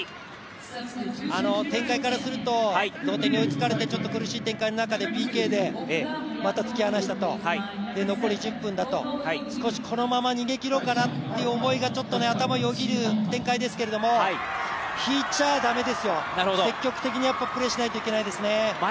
展開からすると同点に追いつかれてちょっと苦しい展開の中でＰＫでまた突き放した、残り１０分だと、このまま逃げきろうかなという思いが頭をよぎる展開ですけど引いちゃ駄目ですよ、積極的にプレーしないと駄目ですね。